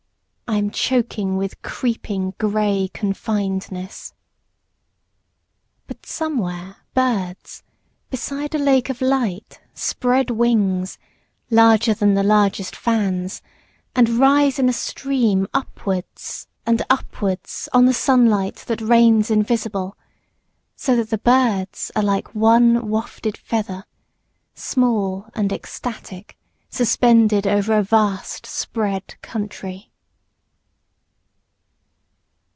I am choking with creeping, grey confinedness. But somewhere birds, beside a lake of light, spread wings Larger than the largest fans, and rise in a stream upwards And upwards on the sunlight that rains invisible, So that the birds are like one wafted feather, Small and ecstatic suspended over a vast spread country.